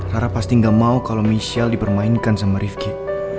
rara pasti gak mau kalo michelle dipermainkan sama rifqi